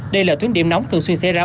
đây là tuyến điểm nóng thường xuyên xe ra